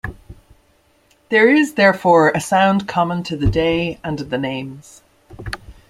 There is, therefore, a sound common to the day and the names.